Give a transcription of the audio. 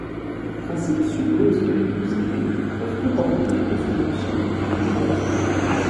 Principe suppose que les douze clés peuvent comporter des descriptions de différents types.